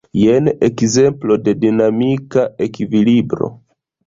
Jen ekzemplo de dinamika ekvilibro.